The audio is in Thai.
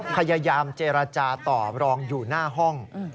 พยายามเจรจาต่อรองอยู่หน้าห้อง